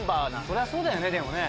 そりゃそうだよねでもね。